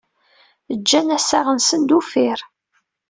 Ǧǧan assaɣ-nsen d uffir.